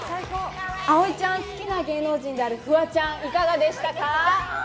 あおいちゃん、好きな芸能人であるフワちゃん、いかがでしたか？